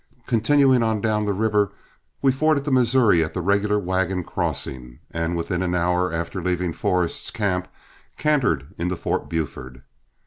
Continuing on down the river, we forded the Missouri at the regular wagon crossing, and within an hour after leaving Forrest's camp cantered into Fort Buford.